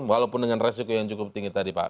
walaupun dengan resiko yang cukup tinggi tadi pak